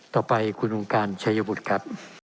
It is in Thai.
ต่อไปคุณองค์การชายบุตรครับ